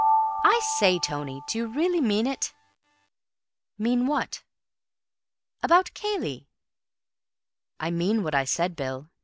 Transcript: "I say, Tony, do you really mean it?" "Mean what?" "About Cayley." "I mean what I said, Bill.